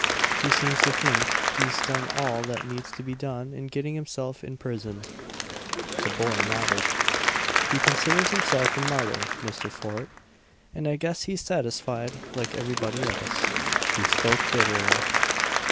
He seems to think he's done all that needs to be done in getting himself imprisoned." The boy nodded. "He considers himself a martyr, Mr. Fort; and I guess he's satisfied like everybody else." He spoke bitterly.